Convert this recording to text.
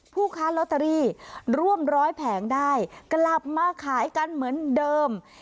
ผู้ค้าลอตเตอรี่ร่วมร้อยแผงได้กลับมาขายกันเหมือนเดิม